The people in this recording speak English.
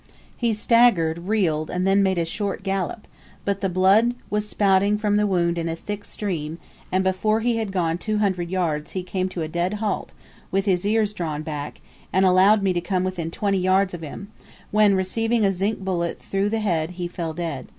He staggered, reeled, then made a short gallop; but the blood was spouting from the wound in a thick stream, and before he had gone 200 yards he came to a dead halt, with his ears drawn back, and allowed me to come within twenty yards of him, when, receiving a zinc bullet through the head, he fell dead.